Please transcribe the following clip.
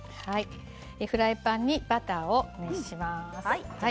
フライパンにバターを熱します。